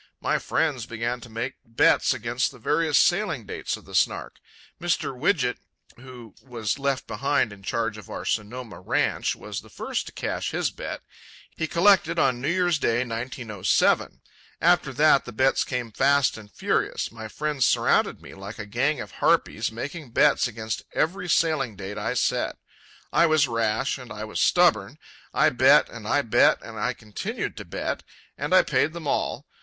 My friends began to make bets against the various sailing dates of the Snark. Mr. Wiget, who was left behind in charge of our Sonoma ranch was the first to cash his bet. He collected on New Year's Day, 1907. After that the bets came fast and furious. My friends surrounded me like a gang of harpies, making bets against every sailing date I set. I was rash, and I was stubborn. I bet, and I bet, and I continued to bet; and I paid them all.